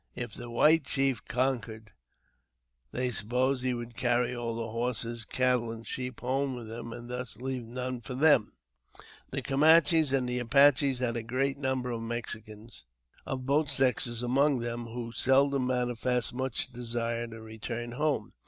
If the white chief conquered, they supposed he would carry all the horses, cattle, and sheep home with him, and thus leave none for them. The Camanches and Apaches have a great number of Mexicans, of both sexes, among them, who seldom manifest much desire to return home.